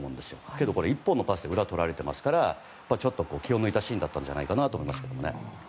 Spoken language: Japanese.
けどこれ１本のパスで裏をとられていますから気を抜いたシーンだったんじゃないかと思います。